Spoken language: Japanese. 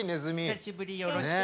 久しぶりよろしく。